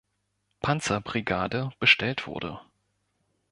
Panzerbrigade bestellt wurde.